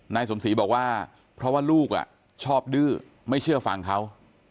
นายสมศรีบอกว่าเพราะว่าลูกชอบดื้อไม่เชื่อฟังเขา